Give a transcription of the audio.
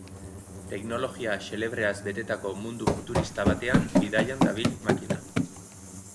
Teknologia xelebreaz betetako mundu futurista batean bidaian dabil makina.